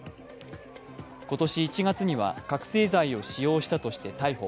今年１月には覚醒剤を使用したとして逮捕。